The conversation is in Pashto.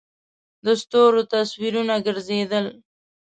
د ستورو تصویرونه گرځېدل.